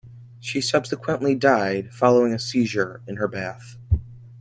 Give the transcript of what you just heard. She subsequently died following a seizure in her bath.